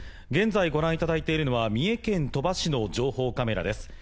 現在ご覧いただいているのは三重県鳥羽市の情報カメラです。